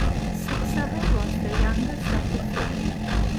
Suksaha was the youngest of the four.